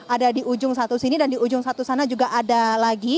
ada di ujung satu sini dan di ujung satu sana juga ada lagi